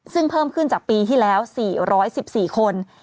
ซึ่งเพิ่มขึ้นจากปีที่แล้ว๔๑๔คน